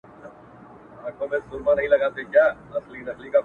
چي له تا مخ واړوي تا وویني!!